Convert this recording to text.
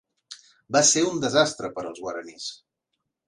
Va ser un desastre per als guaranís.